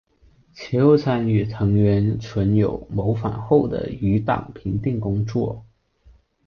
其后参与藤原纯友谋反后的余党平定工作。